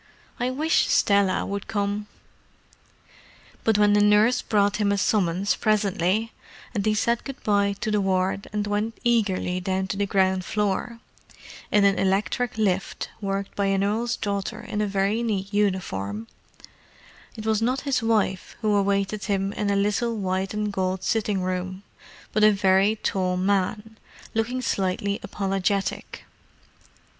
"I wish Stella would come." But when a nurse brought him a summons presently, and he said good bye to the ward and went eagerly down to the ground floor (in an electric lift worked by an earl's daughter in a very neat uniform), it was not his wife who awaited him in a little white and gold sitting room, but a very tall man, looking slightly apologetic.